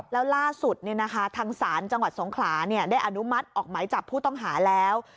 แล้วล่าสุดทางศาลจังหวัดสงขลาได้อนุมัติออกหมายจับผู้ต้องหาแล้ว